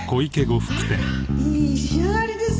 あらいい仕上がりですねぇ。